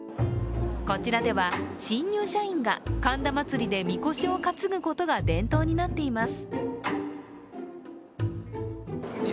こちらでは新入社員が神田祭で神輿を担ぐことが伝統になっています。